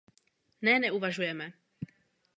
Ne, neuvažujeme.